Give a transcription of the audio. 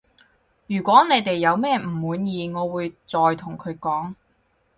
如果你哋有咩唔滿意我會再同佢講